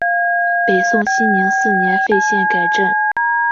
北宋熙宁四年废县改镇。